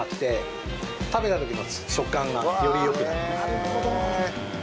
なるほど。